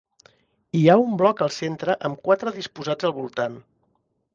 Hi ha un bloc al centre amb quatre disposats al voltant.